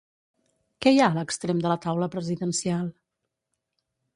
Què hi ha a l'extrem de la taula presidencial?